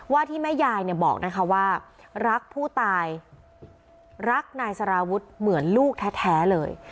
ที่แม่ยายเนี่ยบอกนะคะว่ารักผู้ตายรักนายสารวุฒิเหมือนลูกแท้เลย